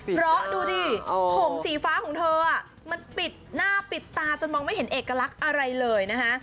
เพราะดูดิผมสีฟ้าของเธอมันปิดหน้าปิดตาจนมองไม่เห็นเอกลักษณ์อะไรเลยนะฮะ